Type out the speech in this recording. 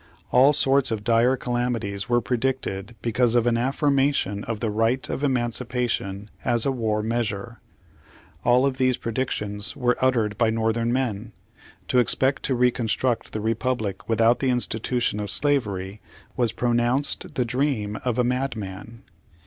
All sorts of dire calamities were predicted because of an affirma tion of the right of emancipation as a war meas ure. All of these predictions were uttered by Northern men. To expect to reconstruct the Re public without the institution of slavery was pro nounced the dream of a madman.